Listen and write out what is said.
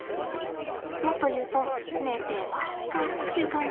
もっと言うと寝てばっかっちゅう感じ？